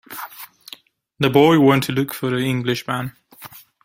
The boy went to look for the Englishman.